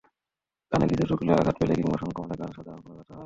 কানে কিছু ঢুকলে, আঘাত পেলে কিংবা সংক্রমণের কারণে সাধারণত কানে ব্যথা হয়।